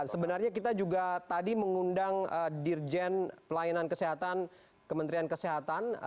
sebenarnya kita juga tadi mengundang dirjen pelayanan kesehatan kementerian kesehatan